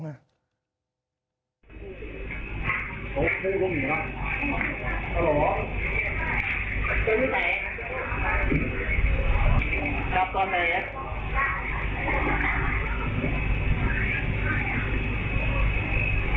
อ๋อไม่รู้หรือเหรออ๋อหรอเจ้าพี่แม็กซ์จับต่อแม็กซ์